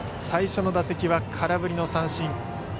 最初の打席は空振りの三振。